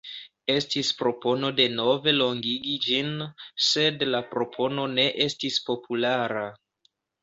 Estis propono denove longigi ĝin, sed la propono ne estis populara.